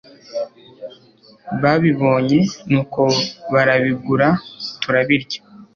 babibonye nuko barabigura turabirya